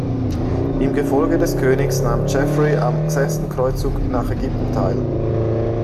Im Gefolge des Königs nahm Geoffroy am sechsten Kreuzzug nach Ägypten teil.